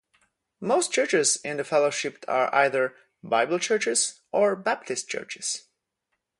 Most churches in the fellowship are either "Bible Churches" or "Baptist Churches".